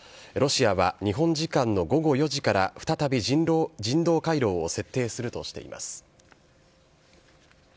ロシアは日本時間の午後４時から再び人道回廊を設定するとしています。